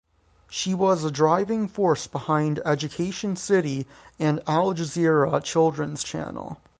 She was a driving force behind Education City and Al Jazeera Children's Channel.